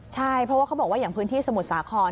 ใช่เพราะว่าเขาบอกว่าอย่างพื้นที่สมุทรสาคร